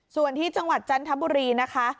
ส่วนที่จันทบุรีนะคะ